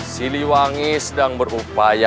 siliwangi sedang berupaya